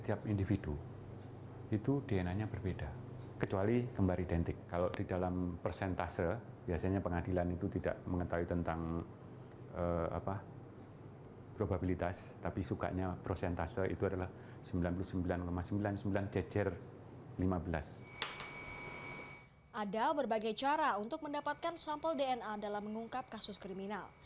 ada berbagai cara untuk mendapatkan sampel dna dalam mengungkap kasus kriminal